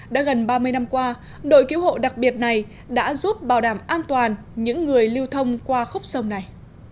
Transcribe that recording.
đã gần ba mươi năm qua đội cứu hộ đặc biệt này đã giúp bảo đảm an toàn những người lưu thông qua khúc sông này